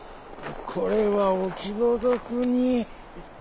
これはおきのどくに。